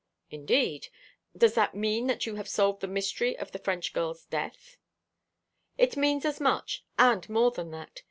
"Indeed! Does that mean that you have solved the mystery of the French girl's death?" "It means as much, and more than that.